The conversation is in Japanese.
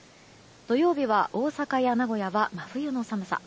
土曜日は大阪や名古屋は真冬の寒さ。